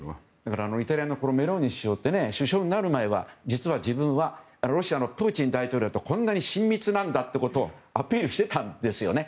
イタリアのメローニ首相って首相になる前は自分はロシアのプーチン大統領とこんなに親密なんだとアピールしていたんですよね。